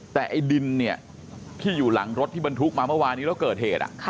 แต่ไอ้ดินเนี่ยที่อยู่หลังรถที่บรรทุกมาเมื่อวานนี้แล้วเกิดเหตุ